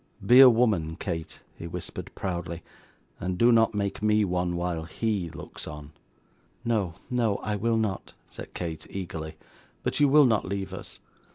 Be a woman, Kate,' he whispered, proudly, 'and do not make me one, while HE looks on.' 'No, no, I will not,' said Kate, eagerly, 'but you will not leave us.